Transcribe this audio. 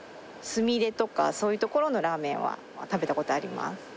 すみれとかそういうところのラーメンは食べた事あります。